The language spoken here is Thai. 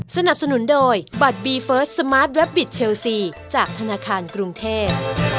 สนับสนุนโดยบัตรบีเฟิร์สสมาร์ทแวบบิตเชลซีจากธนาคารกรุงเทพ